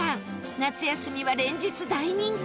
夏休みは連日大人気！